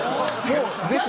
ぜひ。